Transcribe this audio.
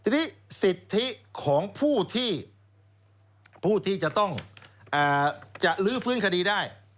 ทีนี้สิทธิของผู้ที่ผู้ที่จะต้องจะลื้อฟื้นคดีได้